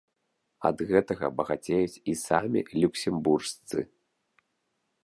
А ад гэтага багацеюць і самі люксембуржцы.